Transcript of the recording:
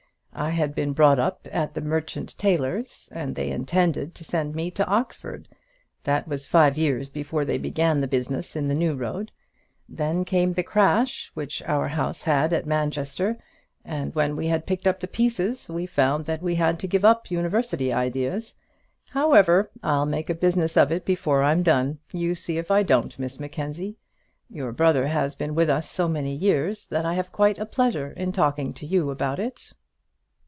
I had been brought up at the Merchant Taylors' and they intended to send me to Oxford. That was five years before they began the business in the New Road. Then came the crash which our house had at Manchester; and when we had picked up the pieces, we found that we had to give up university ideas. However, I'll make a business of it before I'm done; you see if I don't, Miss Mackenzie. Your brother has been with us so many years that I have quite a pleasure in talking to you about it."